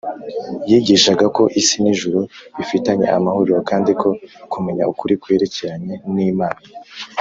yigishaga ko isi n’ijuru bifitanye amahuriro kandi ko kumenya ukuri kwerekeranye n’imana